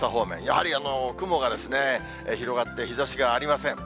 やはり雲が広がって、日ざしがありません。